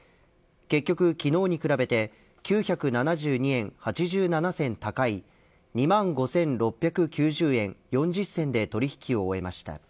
結局、昨日に比べて９７２円８７銭高い２万５６９０円４０銭で取引を終えました。